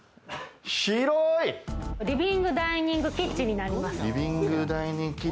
リビングダイニングキッチンになります。